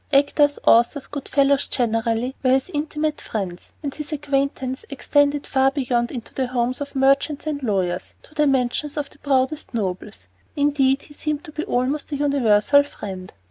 Actors, authors, good fellows generally, were his intimate friends, and his acquaintance extended far beyond into the homes of merchants and lawyers and the mansions of the proudest nobles. Indeed, he seemed to be almost a universal friend.